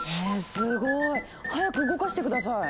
すごい！早く動かして下さい！